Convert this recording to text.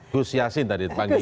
gus yassin tadi dipanggilnya